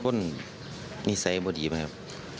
เป็นคนนิสัยบดีนะครับ